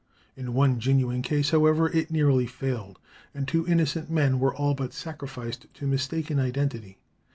In one genuine case, however, it nearly failed, and two innocent men were all but sacrificed to mistaken identity.